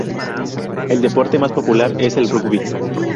El deporte más popular es el rugby.